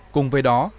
cùng với đó